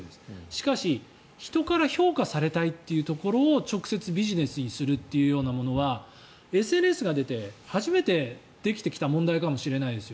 しかし、人から評価されたいというところを直接、ビジネスにするというようなものはＳＮＳが出て初めてできてきた問題かもしれないです。